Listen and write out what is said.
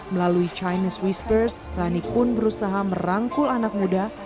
melalui chinese whispers rani pun berusaha merangkul anak muda